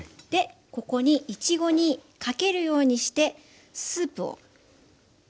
ここにいちごにかけるようにしてスープをかけていきます。